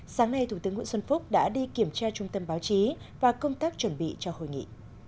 sáng nay thủ tướng nguyễn xuân phúc đã đi kiểm tra trung tâm báo chí và công tác chuẩn bị cho hội nghị